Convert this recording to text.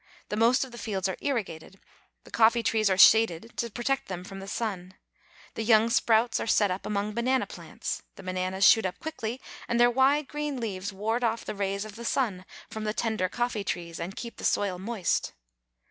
The most of the fields are irrigated. The coffee trees are shaded to protect them from the sun. The young sprouts are set out among banana plants. The bananas shoot up quickly, and their wide green leaves ward off the rays of the sun from the tender coffee trees, and keep the soil moist.